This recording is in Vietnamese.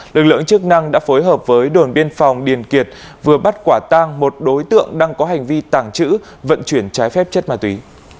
lực lượng chức năng đã phối hợp với đồn biên phòng điền kiệt vừa bắt quả tang một đối tượng đang có hành vi tàng trữ vận chuyển trái phép chất ma túy